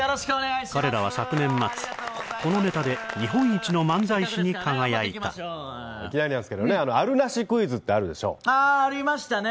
彼らは昨年末このネタで日本一の漫才師に輝いたいきなりなんですけどねある・なしクイズってあるでしょああありましたね